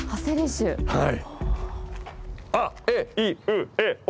はい。